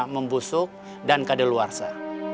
membusuk dan kadal warsa